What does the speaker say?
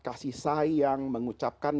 kasih sayang mengucapkan